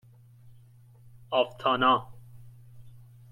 اوتانا